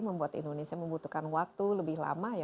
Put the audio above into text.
membuat indonesia membutuhkan waktu lebih lama